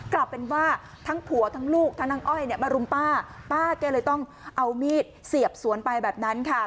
กลับเป็นว่าทั้งผัวทั้งลูกทั้งอ้อยเนี่ยมารุมป้าป้าแกเลยต้องเอามีดเสียบสวนไปแบบนั้นค่ะ